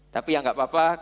tapi ya nggak apa apa